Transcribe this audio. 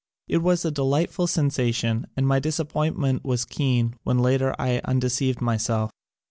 It wa s a delightful sensation and my disappointment was keen when later I undeceived myself.